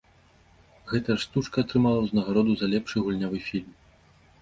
Гэтая ж стужка атрымала ўзнагароду за лепшы гульнявы фільм.